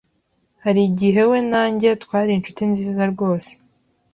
Hari igihe we na njye twari inshuti nziza rwose.